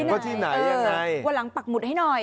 ว่าที่ไหนวันหลังปักหมุดให้หน่อย